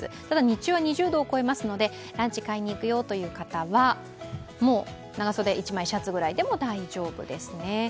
ただ、日中は２０度を超えますのでランチを買いにいくよという方はもう長袖１枚、シャツぐらいでも大丈夫ですね。